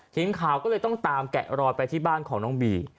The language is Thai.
ทีมข่าวก็เลยต้องตามแกะรอยไปที่บ้านของน้องบี